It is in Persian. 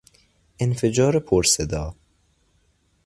انفجار پر صدا